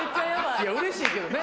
いやうれしいけどね。